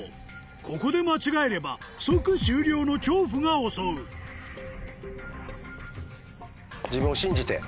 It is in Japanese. ここで間違えれば即終了の恐怖が襲うおっ